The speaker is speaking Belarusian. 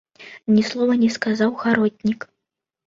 Ні слова не сказаў гаротнік.